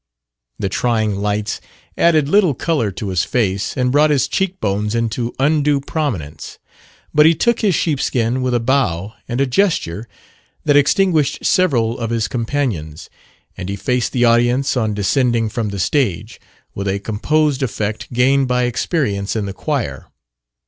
The trying lights added little color to his face, and brought his cheek bones into undue prominence. But he took his sheepskin with a bow and a gesture that extinguished several of his companions; and he faced the audience, on descending from the stage, with a composed effect gained by experience in the choir.